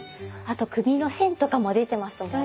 あと首の線とかも出てますもんね。